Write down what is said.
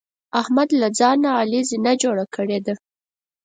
احمد له ځان نه علي زینه جوړه کړې ده.